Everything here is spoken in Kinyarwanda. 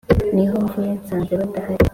- ni ho mvuye. nsanze badahari